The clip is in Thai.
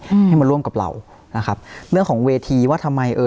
อืมให้มาร่วมกับเรานะครับเรื่องของเวทีว่าทำไมเออ